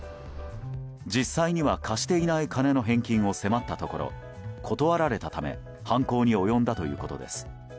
実際には貸していない金の返金を迫ったところ断られたため犯行に及んだということです。